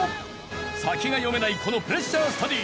先が読めないこのプレッシャースタディ。